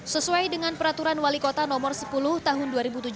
sesuai dengan peraturan wali kota nomor sepuluh tahun dua ribu tujuh belas